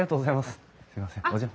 すいませんお邪魔。